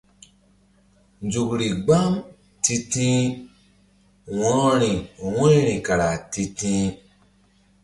Nzukri mgbam ti̧ti̧h wo̧rori wu̧yri kara ti̧ti̧h.